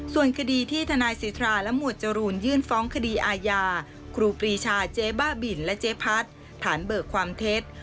ส่วนคดีที่ทนายสิทธาและหมวดจรูนยื่นฟ้องคดีอาญาครูปรีชาเจ๊บ้าบินและเจ๊พัดฐานเบิกความเท็จ